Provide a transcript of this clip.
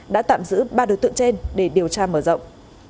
đã tạm giữ ba đối tượng trên để điều tra mở rộng